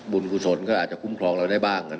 บุญผู้สนก็อาจจะคุ้มครองเราได้บ้าง